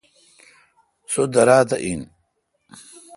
سو درا تہ اہن۔